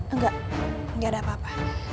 enggak enggak ada apa apa